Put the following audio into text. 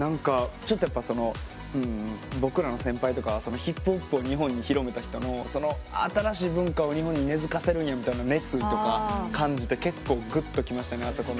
ちょっとやっぱ僕らの先輩とかヒップホップを日本に広めた人の新しい文化を日本に根づかせるんやみたいな熱意とか感じて結構グッときましたね。